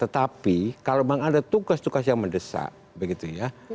tetapi kalau memang ada tugas tugas yang mendesak begitu ya